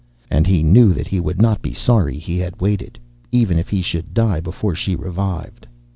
And he knew that he would not be sorry he had waited, even if he should die before she revived.